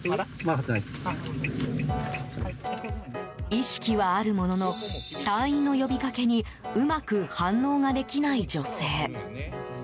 意識はあるものの隊員の呼びかけにうまく反応ができない女性。